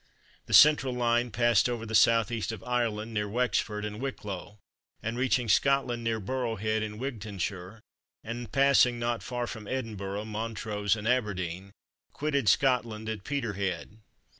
The central line passed over the S.E. of Ireland, near Wexford and Wicklow, and reaching Scotland near Burrow Head in Wigtownshire, and passing not far from Edinburgh, Montrose and Aberdeen, quitted Scotland at Peterhead.